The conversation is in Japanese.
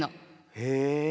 へえ。